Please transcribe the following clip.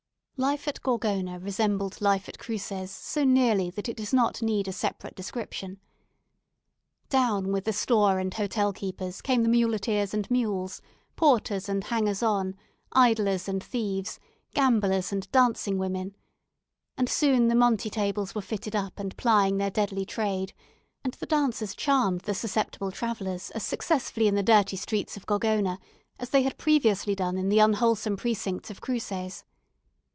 Life at Gorgona resembled life at Cruces so nearly that it does not need a separate description. Down with the store and hotel keepers came the muleteers and mules, porters and hangers on, idlers and thieves, gamblers and dancing women; and soon the monte tables were fitted up, and plying their deadly trade; and the dancers charmed the susceptible travellers as successfully in the dirty streets of Gorgona as they had previously done in the unwholesome precincts of Cruces.